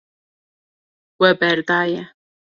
We berdaye.